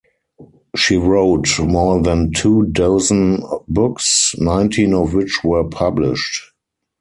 She wrote more than two dozen books, nineteen of which were published.